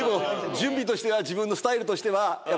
準備としては自分のスタイルとしては。